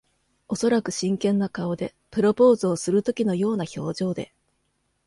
おそらく真剣な顔で。プロポーズをするときのような表情で。